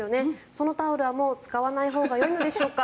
そのタオルはもう使わないほうがよいのでしょうか。